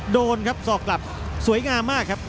โดนครับสอกกลับสวยงามมากครับ